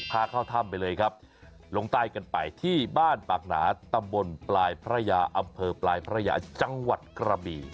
เข้าถ้ำไปเลยครับลงใต้กันไปที่บ้านปากหนาตำบลปลายพระยาอำเภอปลายพระยาจังหวัดกระบี่